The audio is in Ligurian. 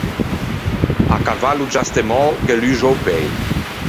À cavallo giastemmou ghe luxe o pei.